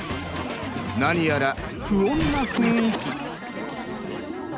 何やら不穏な雰囲気。